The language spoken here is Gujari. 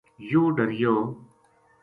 یوہ ڈریو